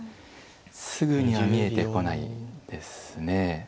すぐには見えてこないですね。